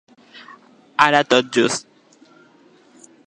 Ara tot just.